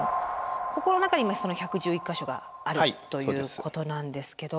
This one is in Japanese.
ここの中にその１１１か所があるということなんですけど。